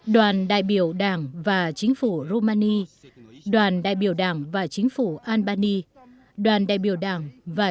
đoàn đại biểu đảng và chính phủ romani đoàn đại biểu đảng và chính phủ albany đoàn đại biểu đảng và